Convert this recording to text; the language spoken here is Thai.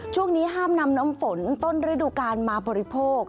ช่วงนี้ห้ามนำน้ำฝนต้นฤดูกาลมาบริโภค